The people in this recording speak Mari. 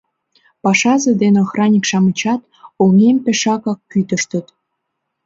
Пашазе ден охранник-шамычат оҥем пешакак кӱтыштыт.